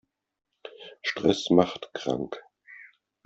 Stress macht krank.